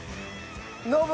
ノブ